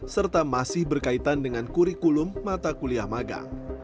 serta masih berkaitan dengan kurikulum mata kuliah magang